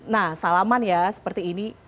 nah salaman ya seperti ini